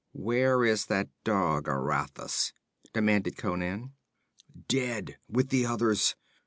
'Where is that dog Aratus?' demanded Conan. 'Dead, with the others!